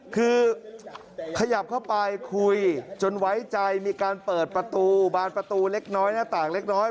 คือขยับเข้าไปคุยจนไว้ใจมีการเปิดประตูบานประตูเล็กน้อยหน้าต่างเล็กน้อย